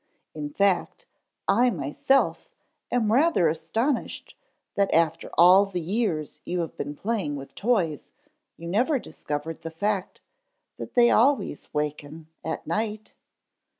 In fact, I, myself, am rather astonished that after all the years you have been playing with toys you never discovered the fact that they always waken at night.